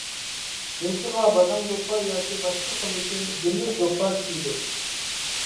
بېشىغا بادام دوپپا، ياكى باشقا خىلدىكى گۈللۈك دوپپا كىيىدۇ.